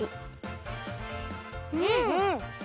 うん！